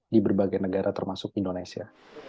di berbagai negara termasuk indonesia